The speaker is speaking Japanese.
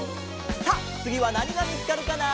さあつぎはなにがみつかるかな？